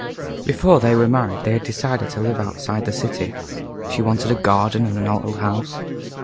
Before they were married they had decided to live outside the city. She wanted a garden and an old house.